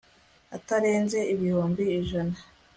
atarenze ibihumbi ijana